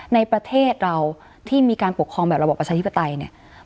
ในประเทศเราที่มีการปกครองแบบระบอบประชาธิปไตยเนี่ย